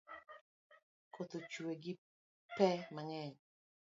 Koth ochue gi pe mang’eny